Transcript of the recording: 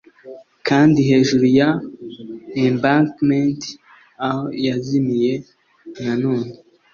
kandi hejuru ya embankment, aho yazimiye, na none.